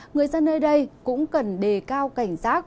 người dân nơi đây cũng cần đề cao cảnh giác